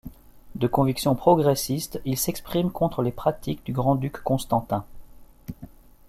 De convictions progressistes, il s'exprime contre les pratiques du grand-duc Constantin.